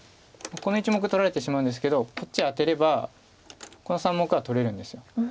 この１目取られてしまうんですけどこっちアテればこの３目は取れるんです。